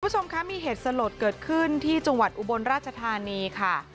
คุณผู้ชมคะมีเหตุสลดเกิดขึ้นที่จังหวัดอุบลราชธานีค่ะ